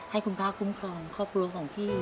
ให้คุณพระคุ้มครองครอบครัวของพี่